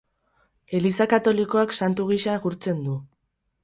Eliza katolikoak santu gisa gurtzen du.